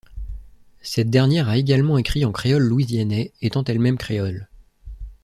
Cette dernière a également écrit en créole louisianais, étant elle-même créole.